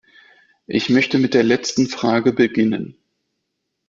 Ich möchte mit der letzten Frage beginnen.